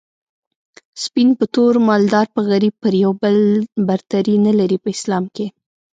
سپين په تور مالدار په غريب پر يو بل برتري نلري په اسلام کي